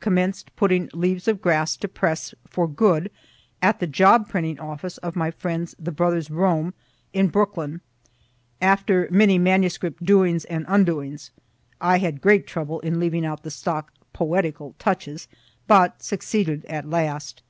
Commenced putting "Leaves of Grass" to press for good, at the job printing office of my friends, the brothers Rome, in Brooklyn, after many MS. doings and undoings (I had great trouble in leaving out the stock "poetical" touches, but succeeded at last.)